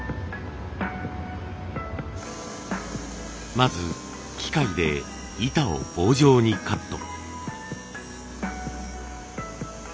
まず機械で板を棒状にカット。